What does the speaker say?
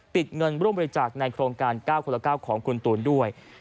ติดเงินร่วมบริจาคในโครงการ๙คนละ๙ของคุณตูนด้วย